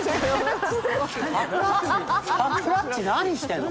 サクラっち何してんの？